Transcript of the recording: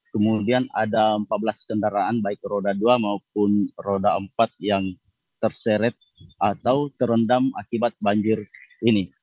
kemudian ada empat belas kendaraan baik roda dua maupun roda empat yang terseret atau terendam akibat banjir ini